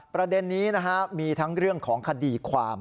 ประเด็นนี้มีทั้งเรื่องของคดีความ